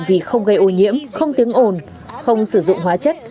vì không gây ô nhiễm không tiếng ồn không sử dụng hóa chất